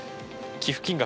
寄付金額